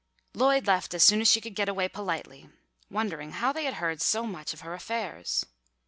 Lloyd left as soon as she could get away politely, wondering how they had heard so much of her affairs.